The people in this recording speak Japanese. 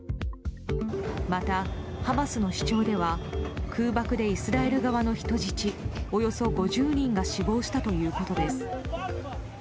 またハマスの主張では、空爆でイスラエル側の人質およそ５０人が死亡したということです。